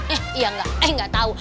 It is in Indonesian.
eh iya enggak eh enggak tahu